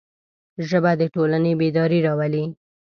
ژبه د ټولنې بیداري راولي